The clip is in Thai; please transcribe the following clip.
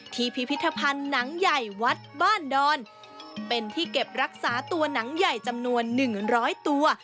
พิพิธภัณฑ์หนังใหญ่วัดบ้านดอนเป็นที่เก็บรักษาตัวหนังใหญ่จำนวนหนึ่งร้อยตัว